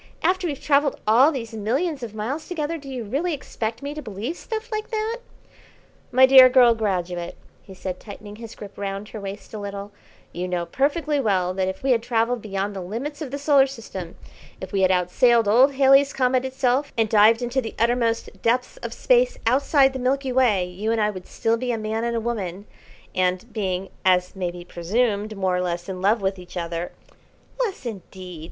After we've travelled all these millions of miles together do you really expect me to believe stuff like that?" "My dear girl graduate," he said, tightening his grip round her waist a little, "you know perfectly well that if we had travelled beyond the limits of the Solar System, if we had outsailed old Halley's Comet itself, and dived into the uttermost depths of Space outside the Milky Way, you and I would still be a man and a woman, and, being, as may be presumed, more or less in love with each other " "Less indeed!"